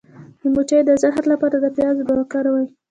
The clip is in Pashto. د مچۍ د زهر لپاره د پیاز اوبه وکاروئ